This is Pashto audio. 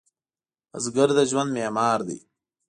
بزګر د ژوند معمار دی